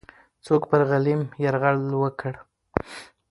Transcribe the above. څوک پر غلیم یرغل وکړ؟